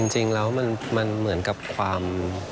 จริงแล้วมันเหมือนกับความ